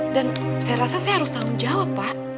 dan saya rasa saya harus tanggung jawab pak